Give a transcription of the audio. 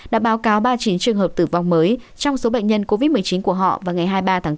đã báo cáo ba mươi chín trường hợp tử vong mới trong số bệnh nhân covid một mươi chín của họ vào ngày hai mươi ba tháng bốn